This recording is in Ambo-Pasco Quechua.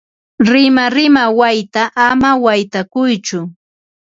Rimarima wayta ama waytakuytsu.